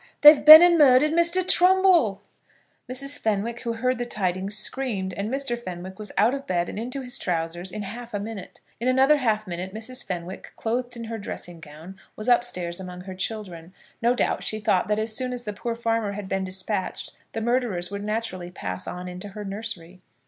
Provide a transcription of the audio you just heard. They've been and murdered Mr. Trumbull." Mrs. Fenwick, who heard the tidings, screamed; and Mr. Fenwick was out of bed and into his trousers in half a minute. In another half minute Mrs. Fenwick, clothed in her dressing gown, was up stairs among her children. No doubt she thought that as soon as the poor farmer had been despatched, the murderers would naturally pass on into her nursery.